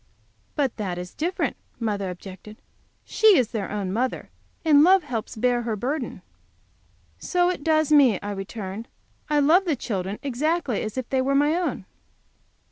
"But that is different," mother objected. "She is their own mother, and love helps her to bear her burden." "So it does me," I returned. "I love the children exactly as if they were my own."